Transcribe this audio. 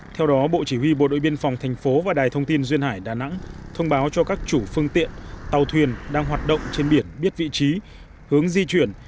theo đó bộ chỉ huy bộ đội biên phòng thành phố và đài thông tin duyên hải đà nẵng thông báo cho các chủ phương tiện tàu thuyền đang hoạt động trên biển biết vị trí hướng di chuyển